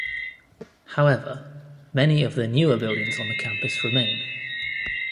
However, many of the newer buildings on the campus remain.